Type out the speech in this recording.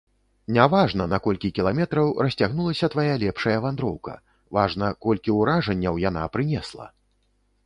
Няважна, на колькі кіламетраў расцягнулася твая лепшая вандроўка, важна, колькі уражанняў яна прынесла!